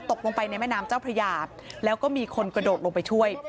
ตกลงไปในแม่น้ำเจ้าพระยาแล้วก็มีคนกระโดดลงไปช่วย